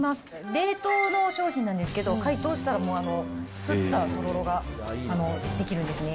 冷凍の商品なんですけど、解凍したらもう、すったとろろができるんですね。